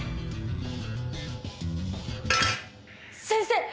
先生